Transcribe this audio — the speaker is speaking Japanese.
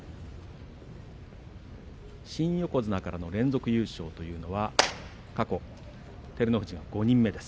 新横綱での連続優勝というのは過去、照ノ富士が５人目です。